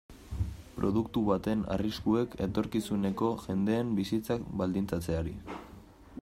Produktu baten arriskuek etorkizuneko jendeen bizitzak baldintzatzeari.